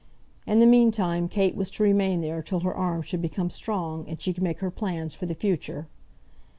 In the meantime Kate was to remain there till her arm should become strong, and she could make her plans for the future.